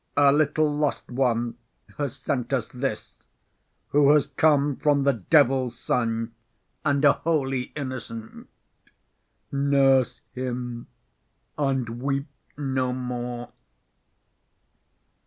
Our little lost one has sent us this, who has come from the devil's son and a holy innocent. Nurse him and weep no more."